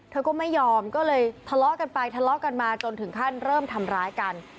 เธอก็ไม่ยอมก็เลยทะเลาะกันไปทะเลาะกันมาจนถึงขั้นเริ่มทำร้ายกัน